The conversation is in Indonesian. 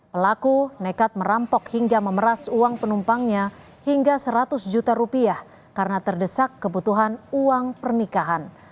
pelaku nekat merampok hingga memeras uang penumpangnya hingga seratus juta rupiah karena terdesak kebutuhan uang pernikahan